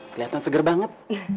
kelihatan seger banget